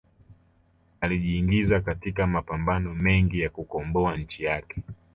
alijiingiza katika mapambano mengi ya kukomboa nchi yake